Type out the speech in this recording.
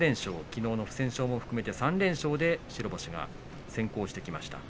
きのうの不戦勝も含めて３連勝で白星が先行してきました。